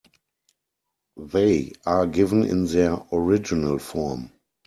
They are given in their original form.